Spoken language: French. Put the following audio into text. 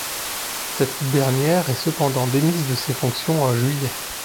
Cette dernière est cependant démise de ses fonctions en juillet.